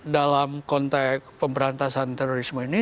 dalam konteks pemberantasan terorisme ini